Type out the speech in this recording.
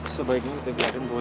sebaiknya udah ngeliatin buat lo